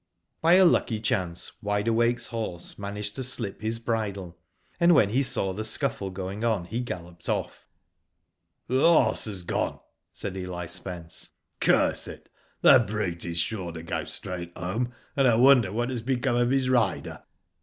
By a lucky chance Wide Awake's horse managed to slip his bridle, and when he saw the scuffle going on he galloped off. " The horse has gone," said Eli Spence. Curse it, the brute is sure to go straight home, and they^l wonder what has become of his rider."